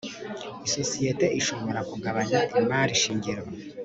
Isosiyete ishobora kugabanya imari shingiro